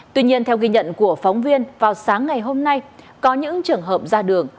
tuy nhiên theo ghi nhận của phóng viên vào sáng ngày hôm nay có những trường hợp ra đường